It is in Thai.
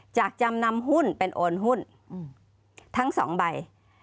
จำนำหุ้นเป็นโอนหุ้นทั้ง๒ใบ